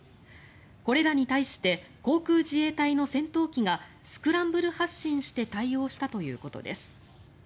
これらに対して航空自衛隊の戦闘機がスクランブル発進して対応したということです。